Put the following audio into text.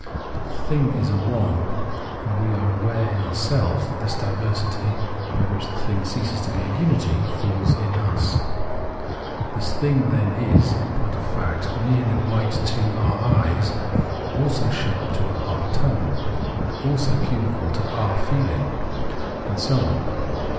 But the thing is a " one "; and we are aware in ourselves that this diversity, by which the thing ceases to be a unity, falls in us. This thing, then, is, in point of fact, merely white to our eyes, also sharp to our tongue, and also cubical to our feehng, and so on.